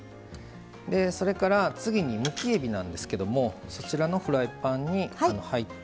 それから次にむきえびなんですけどもそちらのフライパンに入っております。